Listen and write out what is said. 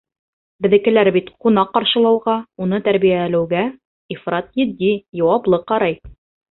Беҙҙекеләр бит ҡунаҡ ҡаршылауға, уны тәрбиәләүгә ифрат етди, яуаплы ҡарай.